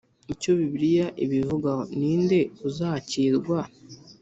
Icyo bibiliya ibivugaho ni nde uzakirwa